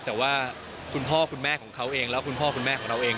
แต่ว่าคุณพ่อคุณแม่ของเขาเองแล้วคุณพ่อคุณแม่ของเราเอง